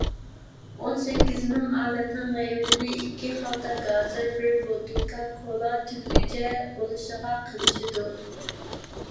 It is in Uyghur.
ئون سەككىز مىڭ ئالەمنىڭ غەيۋىتىنى ئىككى خالتا گازىر، بىر بوتۇلكا كولا تۈگىگىچە بولىشىغا قىلىشىدۇ.